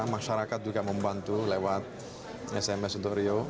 masyarakat juga membantu lewat sms untuk rio